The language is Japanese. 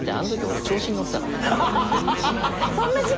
調子に乗ってた。